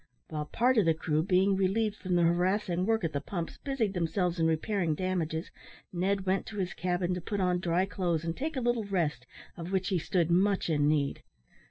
While part of the crew, being relieved from the harassing work at the pumps, busied themselves in repairing damages, Ned went to his cabin to put on dry clothes and take a little rest, of which he stood much in need.